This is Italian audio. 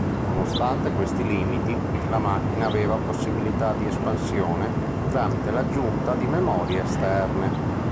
Nonostante questi limiti, la macchina aveva possibilità di espansione tramite l'aggiunta di memorie esterne.